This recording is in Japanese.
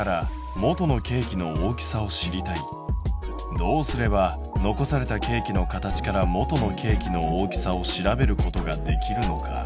どうすれば残されたケーキの形から元のケーキの大きさを調べることができるのか？